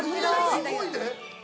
すごいで。